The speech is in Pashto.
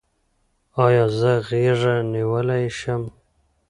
ایا زه غیږه نیولی شم؟